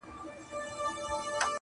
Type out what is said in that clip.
بوډا ژړل ورته یوازي څو کیسې یادي وې،